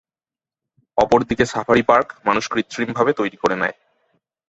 অপরদিকে safari park মানুষ কৃত্রিমভাবে তৈরি করে নেয়।